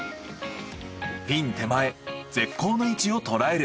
ピン手前絶好の位置を捉える。